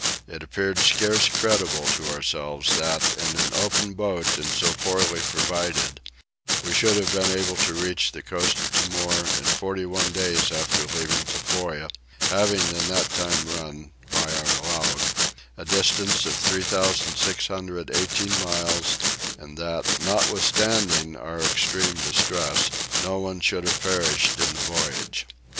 It appeared scarce credible to ourselves that, in an open boat and so poorly provided, we should have been able to reach the coast of Timor in forty one days after leaving Tofoa, having in that time run, by our log, a distance of 3618 miles; and that, notwithstanding our extreme distress, no one should have perished in the voyage.